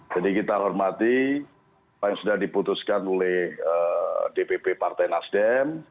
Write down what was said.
jadi kita hormati yang sudah diputuskan oleh dpp partai nasdem